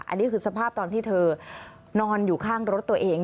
อันนี้คือสภาพตอนที่เธอนอนอยู่ข้างรถตัวเอง